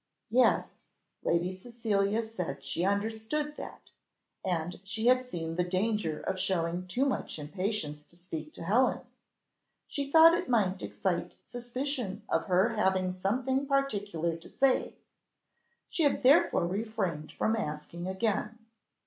"Yes," Lady Cecilia said she understood that, and she had seen the danger of showing too much impatience to speak to Helen; she thought it might excite suspicion of her having something particular to say, she had therefore refrained from asking again.